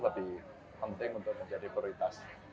lebih penting untuk menjadi prioritas